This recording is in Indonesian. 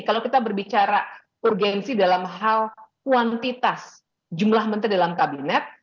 kalau kita berbicara urgensi dalam hal kuantitas jumlah menteri dalam kabinet